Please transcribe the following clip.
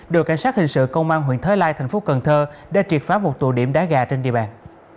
đội cảnh sát hình sự công an huyện thới lai thành phố cần thơ đã triệt phá một tụ điểm đá gà trên địa bàn